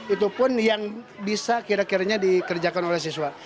itu pun yang bisa kira kiranya dikerjakan oleh siswa